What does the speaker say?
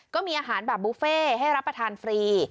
ก็มีอาหารแบบบุฟเฟ่ให้รับประทานฟรี